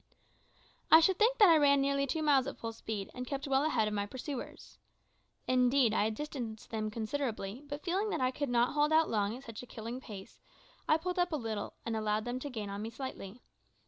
I should think that I ran nearly two miles at full speed, and kept well ahead of my pursuers. Indeed, I had distanced them considerably; but feeling that I could not hold out long at such a killing pace, I pulled up a little, and allowed them to gain on me slightly.